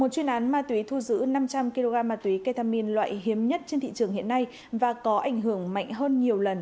năm trăm linh kg ma túy ketamine loại hiếm nhất trên thị trường hiện nay và có ảnh hưởng mạnh hơn nhiều lần